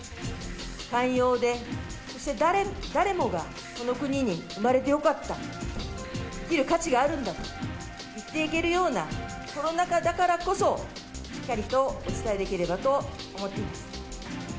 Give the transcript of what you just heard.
寛容で、そして誰もがこの国に生まれてよかった、生きる価値があるんだと言っていけるような、コロナ禍だからこそ、しっかりとお伝えできればと思っています。